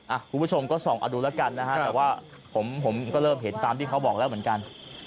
คุณผู้ชมก็ส่องเอาดูแล้วกันนะฮะแต่ว่าผมผมก็เริ่มเห็นตามที่เขาบอกแล้วเหมือนกัน